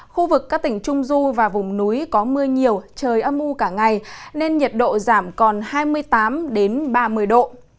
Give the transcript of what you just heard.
khu vực các tỉnh trung du và vùng núi có mưa nhiều trời âm mưu cả ngày nên nhiệt độ giảm còn hai mươi tám ba mươi độ